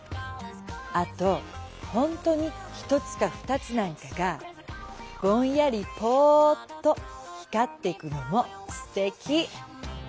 あとホントに一つか二つなんかがぼんやりポッと光ってくのもすてき。